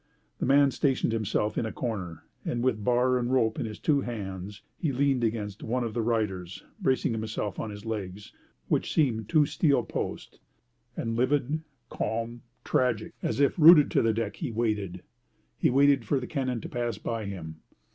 The man stationed himself in a corner, and with bar and rope in his two hands, he leaned against one of the riders, braced himself on his legs, which seemed two steel posts, and livid, calm, tragic, as if rooted to the deck, he waited. He waited for the cannon to pass by him.